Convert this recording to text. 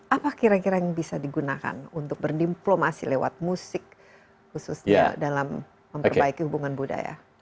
apa kira kira yang bisa digunakan untuk berdiplomasi lewat musik khususnya dalam memperbaiki hubungan budaya